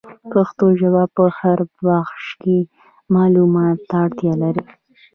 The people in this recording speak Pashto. پښتو ژبه په هر بخش کي معلوماتو ته اړتیا لري.